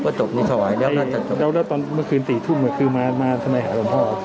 แล้วแล้วตอนเมื่อคืน๔ทุ่มคือมามาทำไมหาลุงพ่อ